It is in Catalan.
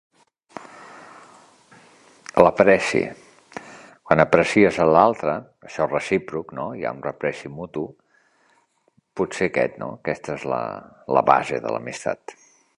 L'apreci: quan aprecies a l'altre, això és recíproc, no?, hi ha un repreci mutu, potser aquest, no?, aquesta és la la base de l'amistat.